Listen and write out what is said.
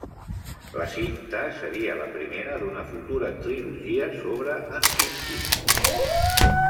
La cinta seria la primera d'una futura trilogia sobre en Tintín.